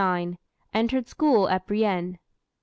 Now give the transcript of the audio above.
Entered school at Brienne.